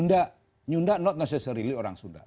nyunda tidak harus orang sunda